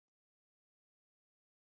غول د کولمو د خوځښت پایله ده.